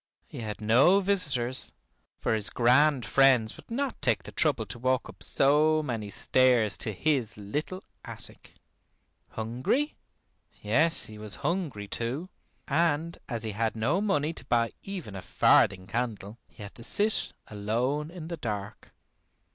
He had no visitors, for his grand friends would not take the trouble to walk up so many stairs to his little attic. Hungry? Yes, he was hungry too, and as he had no money to buy even a farthing candle, he had to sit alone in the dark.